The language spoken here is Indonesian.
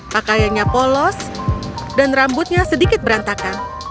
pakaiannya polos dan rambutnya sedikit berantakan